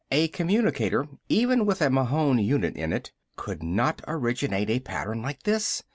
A communicator, even with a Mahon unit in it, could not originate a pattern like this!